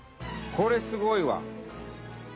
これすごいわ。